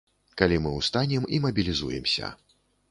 Калі мы ўстанем і мабілізуемся.